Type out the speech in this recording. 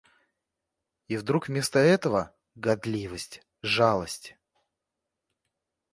И вдруг вместо этого — гадливость, жалость...